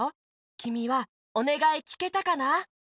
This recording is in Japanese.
きみはおねがいきけたかな？